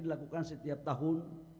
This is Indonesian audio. dilakukan setiap tahun